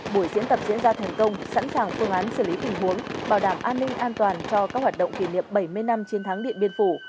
buổi diễn tập diễn ra thành công sẵn sàng phương án xử lý tình huống bảo đảm an ninh an toàn cho các hoạt động kỷ niệm bảy mươi năm chiến thắng điện biên phủ